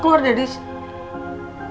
keluar dari sini